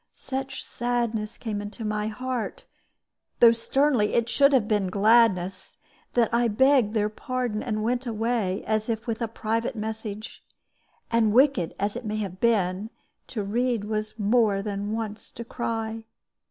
Such sadness came into my heart though sternly it should have been gladness that I begged their pardon, and went away, as if with a private message. And wicked as it may have been, to read was more than once to cry.